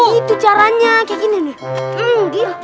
gitu caranya kayak gini nih gitu